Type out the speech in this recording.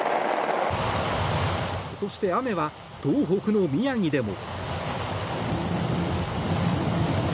そして、雨は東北の宮城でも。